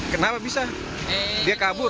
kenapa bisa dia kabur